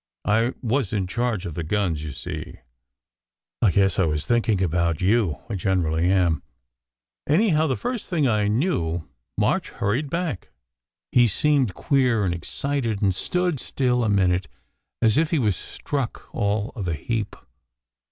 I was in charge of the guns, you see. I guess I was thinking about you. I generally am. Anyhow, the first thing I knew, March hurried back. He seemed queer and excited, and stood still a minute as if he was struck all of a heap.